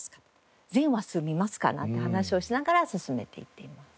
「全話数見ますか？」なんて話をしながら進めていっています。